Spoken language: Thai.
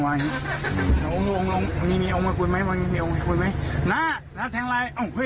วันนี้นี่มีองค์มาคุยไหมวันนี้มีองค์มาคุยไหมน่ะน่ะแท้งไลน์โอ้โหเฮ้ย